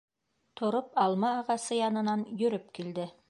Тороп алма ағасы янынан йөрөп килде.